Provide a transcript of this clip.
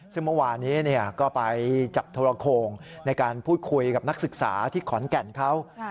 ซึ่งเมื่อวานี้ก็ไปจับโทรโคงในการพูดคุยกับนักศึกษาที่ขอนแก่นเขา